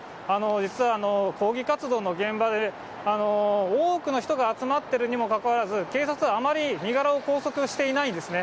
実は抗議活動の現場で、多くの人が集まってるにもかかわらず、警察はあまり身柄を拘束していないんですね。